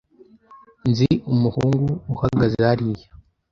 Nzi umuhungu uhagaze hariya.